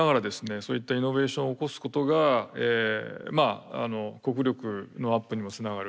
そういったイノベーションを起こすことがまあ国力のアップにもつながる。